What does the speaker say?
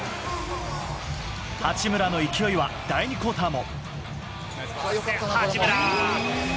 八村の勢いは第２クオーターも。